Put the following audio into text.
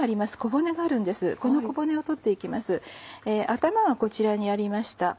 頭はこちらにありました。